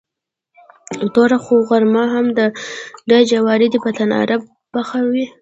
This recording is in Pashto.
نوره خو غرمه هم ده، دا جواری دې په تناره نه پخاوه.